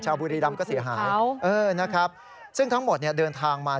บุรีรำก็เสียหายเออนะครับซึ่งทั้งหมดเนี่ยเดินทางมา